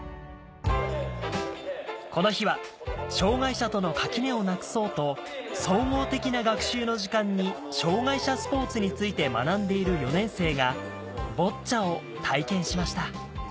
この日は障がい者との垣根をなくそうと総合的な学習の時間に障がい者スポーツについて学んでいる４年生がボッチャを体験しました